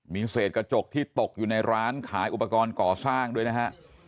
มีเศษกระจกที่ตกอยู่ในร้านขายอุปกรณ์ก่อสร้างด้วยนะฮะ